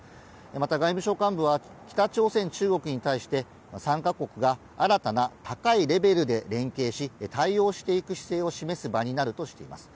また外務省幹部は、北朝鮮、中国に対して、３か国が新たな高いレベルで連携し、対応していく姿勢を示す場になるとしています。